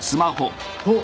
おっ。